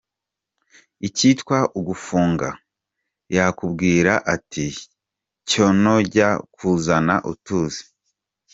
Icyatwa ugafunga; yakubwira ati "cyonoJya kuzana utuzi".